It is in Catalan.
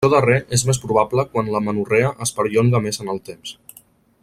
Això darrer és més probable quan l'amenorrea es perllonga més en el temps.